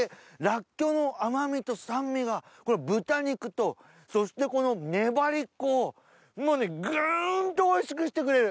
らっきょうの甘味と酸味が豚肉とそしてこのねばりっこをもうねぐんとおいしくしてくれる！